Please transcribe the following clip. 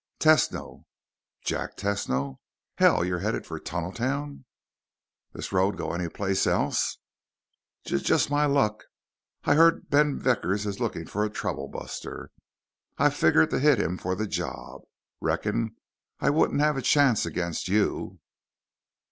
"Tesno." "Jack Tesno? Hell, you headed for Tunneltown?" "This road go any place else?" "J just my luck. I heard Ben Vickers is looking for a troublebuster. I f figured to hit him for the job. Reckon I wouldn't have a chance against you."